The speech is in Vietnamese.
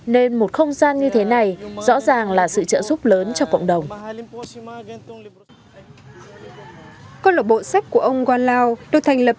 nên một không gian như thế này rõ ràng là sự trợ giúp lớn cho cộng đồng